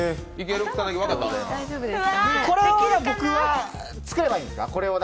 これを僕は作ればいいんですか？